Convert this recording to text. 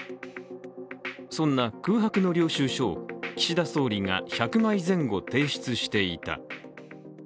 そんな空白の領収書を岸田総理が１００枚前後提出していた。